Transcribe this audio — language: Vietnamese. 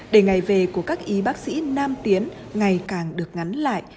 để ngày về của các y bác sĩ nam tiến ngày càng được ngắn lại